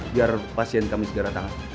biar pasien kami segera tangan